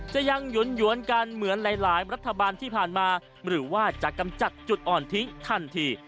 จะยังหยวนกันเหมือนหลายรัฐบาลที่ผ่านมาหรือว่าจะกำจัดจุดอ่อนทิ้งทันที